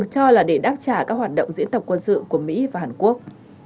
cho là để đáp trả các hoạt động diễn tập quân sự của mỹ và hàn quốc